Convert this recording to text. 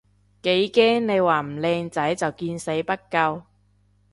幾驚你話唔靚仔就見死不救